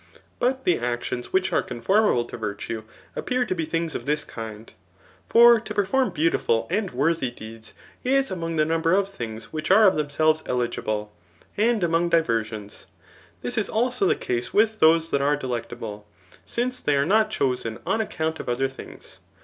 But the actions which are conformable to vhtue, appear to be things of thb kind ; for to perform beautiful and Digitized by Google CHAP. Tl. ETHICS. 387 worthy deeds is amtog the number of things which are <^ themselves eligible ; and among diver^ons, this is also the case with those that are delectable ; since they are not chosen on account of other things.